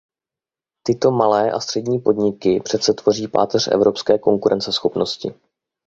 Tyto malé a střední podniky přece tvoří páteř evropské konkurenceschopnosti.